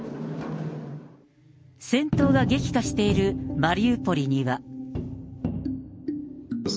戦闘が激化しているマリウポリには。